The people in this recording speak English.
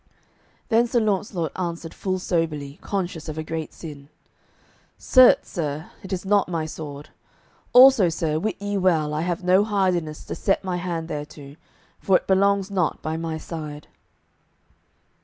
Then Sir Launcelot answered full soberly, conscious of a great sin: "Certes, sir, it is not my sword; also, sir, wit ye well I have no hardiness to set my hand thereto, for it belongs not by my side."